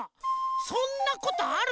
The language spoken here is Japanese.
そんなことある？